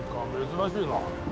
珍しいな。